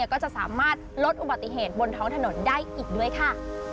ก็จะสามารถลดอุบัติเหตุบนท้องถนนได้อีกด้วยค่ะ